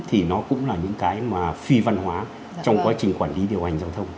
thì nó cũng là những cái mà phi văn hóa trong quá trình quản lý điều hành giao thông